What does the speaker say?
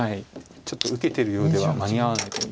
ちょっと受けてるようでは間に合わないと見て。